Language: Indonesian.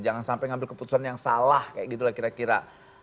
jangan sampai ngambil keputusan yang salah kayak gitu lah kira kira